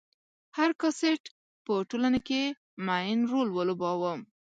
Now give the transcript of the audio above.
هر کاسټ په ټولنه کې معین رول ولوباوه.